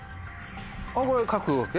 これ書くわけ？